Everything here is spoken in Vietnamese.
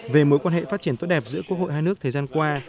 về mối quan hệ phát triển tốt đẹp giữa quốc hội hai nước thời gian qua